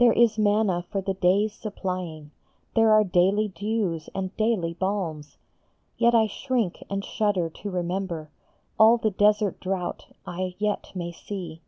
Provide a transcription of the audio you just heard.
There is manna for the day s supplying, There are daily dews and daily balms, Yet I shrink and shudder to remember All the desert drought I yet may see.